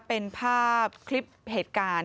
เป็นภาพคลิปเหตุการณ์